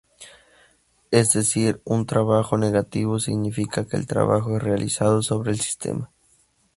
Es decir, un trabajo negativo significa que el trabajo es realizado sobre el sistema.